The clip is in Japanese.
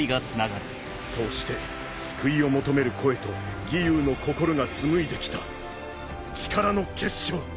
そうして救いを求める声と義勇の心が紡いで来た力の結晶。